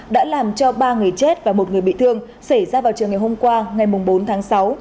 đã làm cho ba người chết và một người bị thương xảy ra vào chiều ngày hôm qua ngày bốn tháng sáu